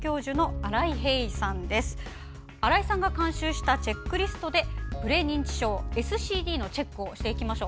新井さんが監修したチェックリストでプレ認知症・ＳＣＤのチェックをしていきましょう！